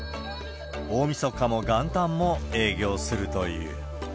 大みそかも元旦も営業するという。